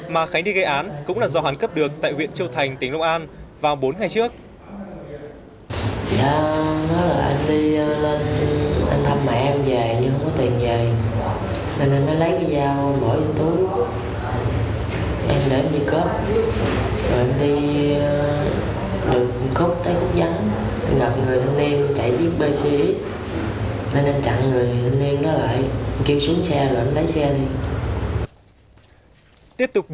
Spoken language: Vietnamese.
mà khánh đi gây án cũng là do hàn cấp được tại huyện châu thành tỉnh lông an vào bốn ngày trước